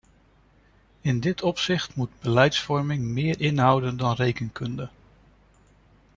In dit opzicht moet beleidsvorming meer inhouden dan rekenkunde.